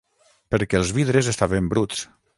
Perquè els vidres estaven bruts.